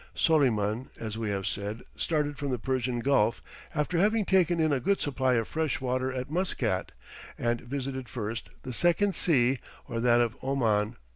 Soleyman, as we have said, started from the Persian Gulf after having taken in a good supply of fresh water at Muscat, and visited first, the second sea, or that of Oman.